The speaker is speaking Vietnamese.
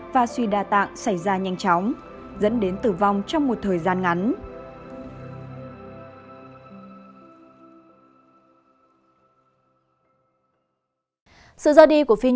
và suy đa tạng xảy ra nhanh chóng dẫn đến tử vong trong một thời gian ngắn